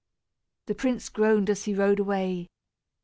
The prince groaned as he rode away.